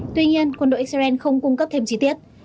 tuy nhiên quân đội israel không cung cấp thêm chi tiết